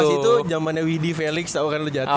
pas itu jamannya widi felix tau kan lu jatim kan